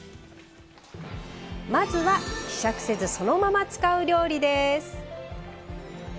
まずは希釈せずそのまま使う料理です。